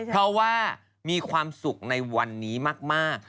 เพราะว่ามีความสุขในวันนี้มาก